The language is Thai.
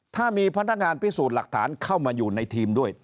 ถ้ามีพนักงานพิสูจน์หลักฐานเข้ามาอยู่ในทีมด้วย